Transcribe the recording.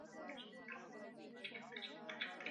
پرېمانۍ ته غویی تللی په حیرت وو